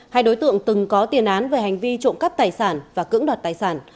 hai đối tượng từng có tiền án về hành vi trộm cắp tài sản và cưỡng đoạt tài sản